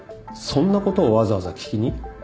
そんなことをわざわざ聞きに？